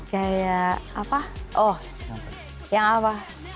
kayak apa oh yang apa